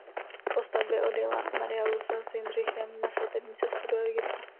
Po svatbě odjela Marie Luisa s Jindřichem na svatební cestu do Egypta.